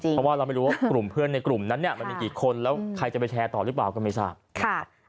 เพราะว่าเราไม่รู้ว่ากลุ่มเพื่อนในกลุ่มนั้นเนี่ยมันมีกี่คนแล้วใครจะไปแชร์ต่อหรือเปล่าก็ไม่ทราบ